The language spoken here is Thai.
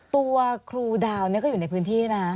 ตัวครูดาวก็อยู่ในพื้นที่ใช่ไหม